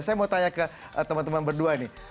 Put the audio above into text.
saya mau tanya ke teman teman berdua nih